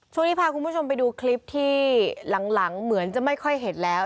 ช่วงนี้พาคุณผู้ชมไปดูคลิปที่หลังเหมือนจะไม่ค่อยเห็นแล้ว